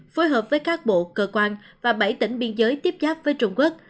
phối hợp với các bộ cơ quan và bảy tỉnh biên giới tiếp giáp với trung quốc